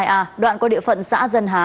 một mươi hai a đoạn qua địa phận xã dân há